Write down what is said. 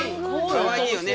かわいいよね。